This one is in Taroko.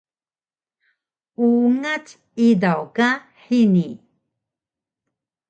Ungac idaw ka hini